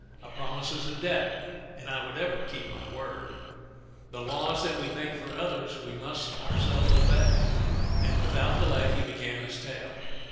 A promise is a debt, and I would ever keep my word. The laws that we make 56 €^§e (^an of ^a>»'0 tak for others, we must ourselves obey"; and without delay he began this tale.